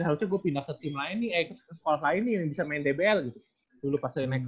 harusnya gua pindah ke tim lain nih eh ke school lain nih yang bisa main dbl gitu